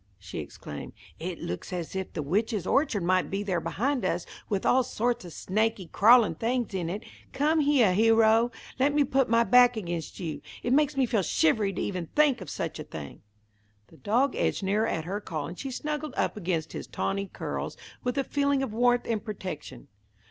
she exclaimed. "It looks as if the witch's orchard might be there behind us, with all sorts of snaky, crawlin' things in it. Come heah, Hero. Let me put my back against you. It makes me feel shivery to even think of such a thing!" The dog edged nearer at her call, and she snuggled up against his tawny curls with a feeling of warmth and protection.